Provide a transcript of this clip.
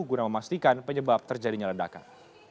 guna memastikan penyebab terjadinya ledakan